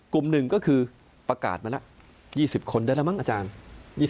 กลุ่มหนึ่งก็คือประกาศมาละ๒๐คนได้แล้วมั้งอาจารย์